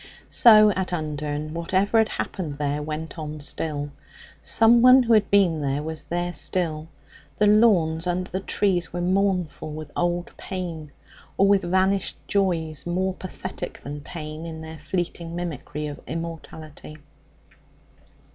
So at Undern, whatever had happened there went on still; someone who had been there was there still. The lawns under the trees were mournful with old pain, or with vanished joys more pathetic than pain in their fleeting mimicry of immortality.